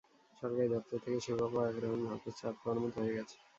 সরকারি দপ্তর থেকে সেবা পাওয়া একরকম হাতে চাঁদ পাওয়ার মতো হয়ে গেছে।